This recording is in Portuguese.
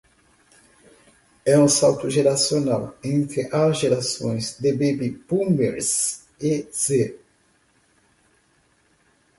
É um salto geracional, entre as gerações de Baby Boomers e Z